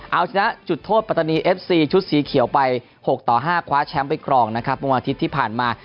เอาชนะจุดโทษปัตตานีเอฟซีชุดสีเขียวไป๖ต่อ๕คว้าแชมป์ไปครองนะครับเมื่อวันอาทิตย์ที่ผ่านมา